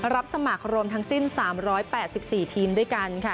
รับสมัครรวมทั้งสิ้น๓๘๔ทีมด้วยกันค่ะ